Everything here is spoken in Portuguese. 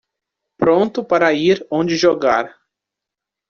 Pronto para ir onde jogar